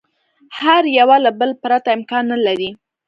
هر یوه له بله پرته امکان نه لري.